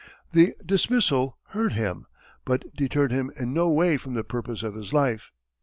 The dismissal hurt him, but deterred him in no way from the purpose of his life.